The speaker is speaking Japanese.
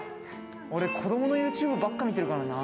俺、子供のＹｏｕＴｕｂｅばっかり見てるからなぁ。